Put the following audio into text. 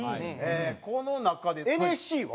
この中でＮＳＣは？